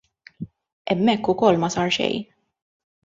Hemmhekk ukoll ma sar xejn.